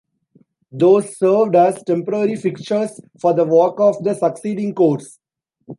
Those served as temporary fixtures for the work of the succeeding course.